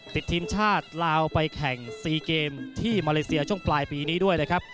ติดทีมชาติลาวไปแข่ง๔เกมที่มาเลเซียช่วงปลายปีนี้ด้วยนะครับ